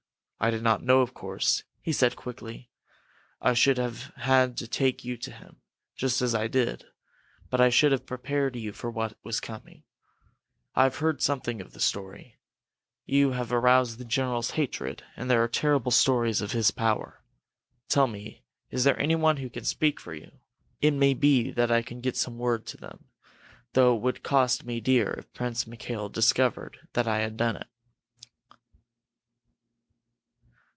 "I did not know, of course," he said, quickly. "I should have had to take you to him, just as I did, but I should have prepared you for what was coming. I have heard something of the story. You have aroused the general's hatred and there are terrible stories of his power. Tell me, is there anyone who can speak for you? It may be that I can get some word to them though it would cost me dear if Prince Mikail discovered that I had done it."